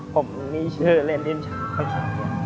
ผมมีชื่อเล่นทีมชาติ